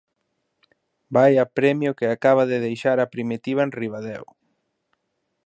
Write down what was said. Vaia premio que acaba de deixar a Primitiva en Ribadeo.